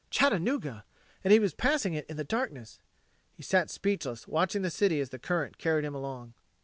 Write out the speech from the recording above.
Chattanooga! And he was passing it in the darkness! He sat speechless watching the city as the current carried him along.